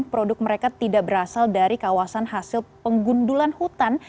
produk mereka tidak berasal dari kawasan hasil penggundulan hutan